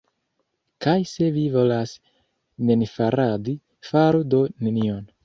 Kaj se vi volas nenifaradi, faru do nenion.